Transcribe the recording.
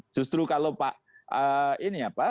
justru kalau pak ini ya pak